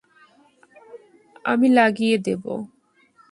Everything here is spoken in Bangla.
আমি লাগিয়ে দিবো।